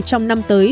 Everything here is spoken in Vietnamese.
trong năm tới